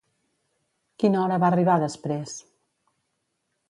Quina hora va arribar després?